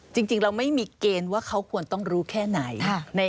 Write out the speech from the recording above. จริงเราไม่มีเกณฑ์ว่าเขาควรต้องรู้แค่ไหน